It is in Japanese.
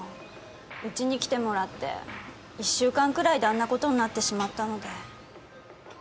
うちに来てもらって１週間くらいであんな事になってしまったので。